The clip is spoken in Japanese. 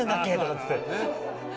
っつって。